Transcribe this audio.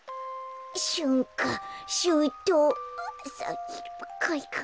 しゅんかしゅうとうあさひるかいか。